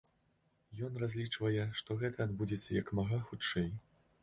Ён разлічвае, што гэта адбудзецца як мага хутчэй.